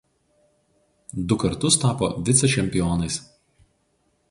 Du kartus tapo vicečempionais.